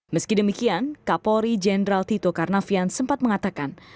meski demikian kapolri jenderal tito karnavian sempat mengatakan